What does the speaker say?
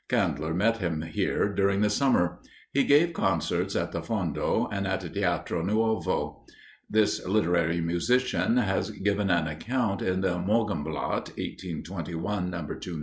Kandler met him here during the summer. He gave concerts at the Fondo, and at the Teatro Nuovo. This literary musician has given an account in the "Morgenblatt" (1821, No.